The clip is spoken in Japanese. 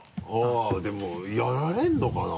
でもやれるのかな？